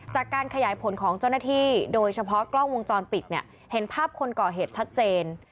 จากการขยายผลของเจ้าหน้าที่โดยเฉพาะกล้องวงจรปิดเนี่ยเห็นภาพคนก่อเหตุชัดเจน